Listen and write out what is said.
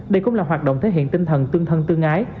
đây cũng là hoạt động thể hiện tinh thần tương thân tương ái